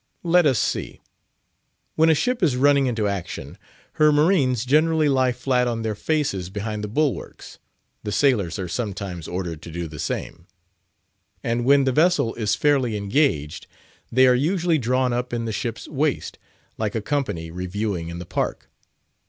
Let us see. When a ship is running into action, her marines generally lie flat on their faces behind the bulwarks (the sailors are sometimes ordered to do the same), and when the vessel is fairly engaged, they are usually drawn up in the ship's waist—like a company reviewing in the Park.